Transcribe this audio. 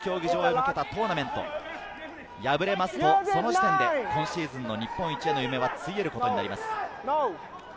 ２９日決勝、国立競技場へ向けたトーナメント、敗れるとその時点で今シーズンの日本一への夢は潰えることになります。